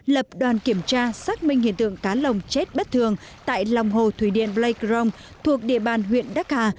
lập đoàn kiểm tra xác minh hiện tượng cá lồng chết bất thường tại lòng hồ thủy điện pleikrong thuộc địa bàn huyện đắc hà